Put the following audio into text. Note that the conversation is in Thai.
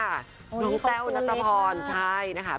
น้องแจ๊วนัตตาพรใช่นะคะ